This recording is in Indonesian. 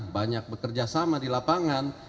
banyak bekerjasama di lapangan